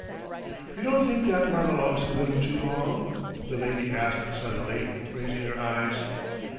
..." "You don't think that monologue's a little too long?" the lady asked suddenly, raising her eyes.